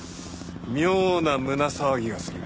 妙な胸騒ぎがする。